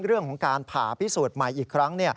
เรื่องของการผ่าพิสูจน์ใหม่อีกครั้ง